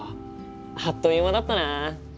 あっという間だったなあ。